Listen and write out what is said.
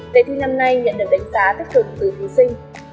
đề thi năm nay nhận được đánh giá tích cực từ thí sinh